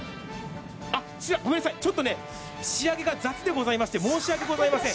ごめんなさい、ちょっと仕上げが雑でございまして、申し訳ございません。